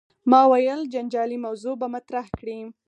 ما ویل جنجالي موضوع به مطرح کړې.